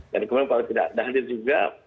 dan kemudian kalau tidak hadir juga